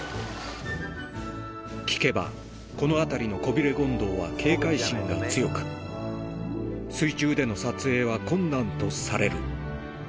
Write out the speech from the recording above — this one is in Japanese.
聞けばこの辺りのコビレゴンドウは警戒心が強く、水中での撮影は困難とされる。